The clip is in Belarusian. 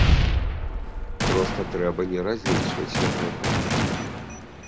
Проста трэба не разлічваць на гэта.